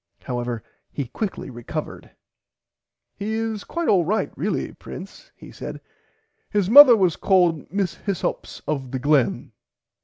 However he quickly recovered. He is quite alright really Prince he said His mother was called Miss Hyssops of the Glen.